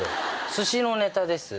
寿司のネタです。